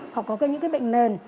hoặc có những bệnh nền